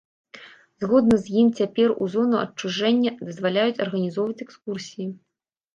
Згодна з ім, цяпер у зону адчужэння дазваляецца арганізоўваць экскурсіі.